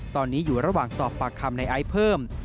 ตอนนี้อยู่ระหว่างสอบปากคำในไอซ์เพิ่ม